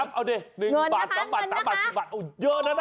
๑บาท๑บาท๑บาท๑บาทโอ้เยอะนั้นอ่ะ